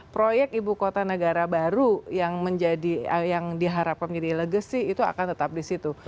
proyek ibu kota negara baru yang diharapkan menjadi legacy itu akan tetap di situ